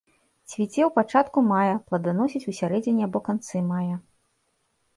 Цвіце ў пачатку мая, пладаносіць у сярэдзіне або канцы мая.